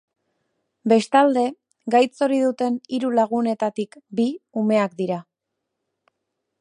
Bestalde, gaitz hori duten hiru lagunetatik bi umeak dira.